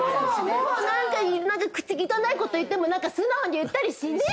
もう何か口汚いこと言っても素直に言ったりしねえじゃん！